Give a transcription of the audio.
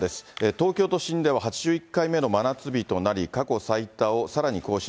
東京都心では８１回目の真夏日となり、過去最多をさらに更新。